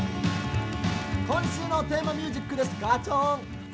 「今週のテーマミュージックです。がちょん」。